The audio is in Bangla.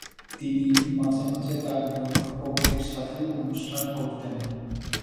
তিনি মাঝে মাঝে তার বোন রূপবতীর সাথেও অনুষ্ঠান করতেন।